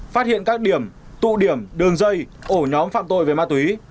phát hiện các điểm tụ điểm đường dây ổ nhóm phạm tội về ma túy